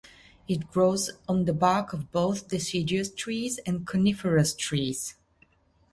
It grows on the bark of both deciduous trees and coniferous trees.